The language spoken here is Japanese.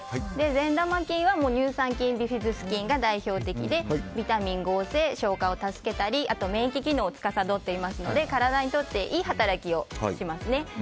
善玉菌は乳酸菌、ビフィズス菌が代表的でビタミン合成、消化を助けたり免疫機能をつかさどっていますので体にとっていい働きをしますね。